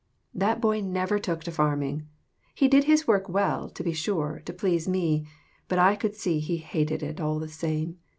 That boy never took to farming. He did his work well, to be sure, to please me, but I could see he hated it, all the same.